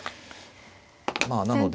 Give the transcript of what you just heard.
まあなので。